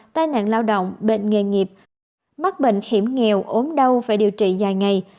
tai nạn lao động bệnh nghề nghiệp mắc bệnh hiểm nghèo ốm đau phải điều trị dài ngày